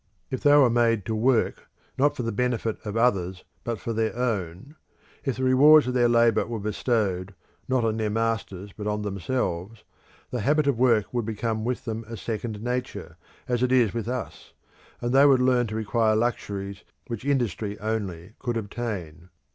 If they were made to work, not for the benefit of others, but for their own; if the rewards of their labour were bestowed, not on their masters, but on themselves, the habit of work would become with them a second nature, as it is with us, and they would learn to require luxuries which industry only could obtain.